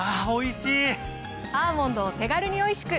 アーモンドを手軽においしく。